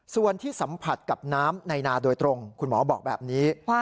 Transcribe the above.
ส่วนที่สัมผัสกับน้ำในนาโดยตรงคุณหมอบอกแบบนี้